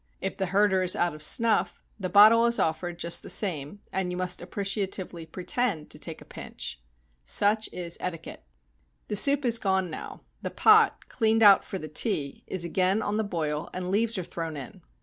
If the herder is out of snuff, the bottle is offered just the same and you must appreciatively pretend to take a pinch. Such is etiquette. The soup is gone now; the pot, cleaned out for the tea, is again on the boil and leaves are thrown in.